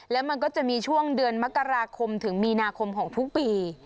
แล้วมันก็จะมีช่วงเดือนมกราคมถึงมีนาคมของทุกปี